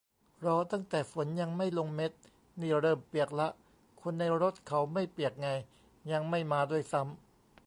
รอตั้งแต่ฝนยังไม่ลงเม็ด นี่เริ่มเปียกละ คนในรถเขาไม่เปียกไง ยังไม่มาด้วยซ้ำ